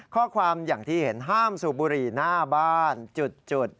ข้อความอย่างที่เห็นห้ามสูบบุหรี่หน้าบ้านจุด